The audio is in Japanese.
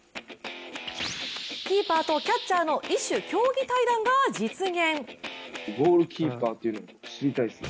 キーパーとキャッチャーの異種競技対談が実現。